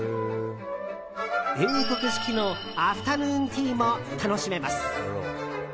英国式のアフタヌーンティーも楽しめます。